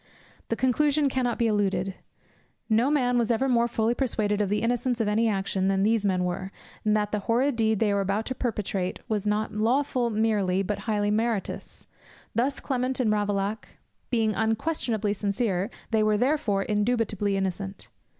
The conclusion cannot be eluded; no man was ever more fully persuaded of the innocence of any action, than these men were, that the horrid deed they were about to perpetrate was not lawful merely, but highly meritorious. Thus Clement and Ravaillac being unquestionably sincere, they were therefore indubitably innocent.